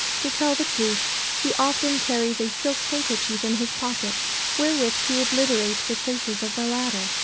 To tell the truth, he often carries a silk handkerchief in his pocket wherewith to obliterate the traces of the latter.